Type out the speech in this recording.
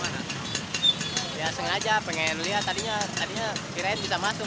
ya sengaja pengen lihat tadinya kirain bisa masuk